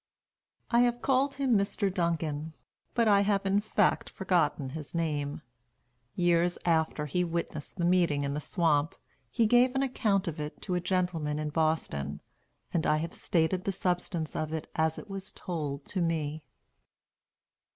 I have called him Mr. Duncan, but I have in fact forgotten his name. Years after he witnessed the meeting in the swamp, he gave an account of it to a gentleman in Boston, and I have stated the substance of it as it was told to me.